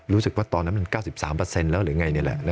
รู้สึกว่าตอนนั้นมัน๙๓แล้วหรือไงนี่แหละ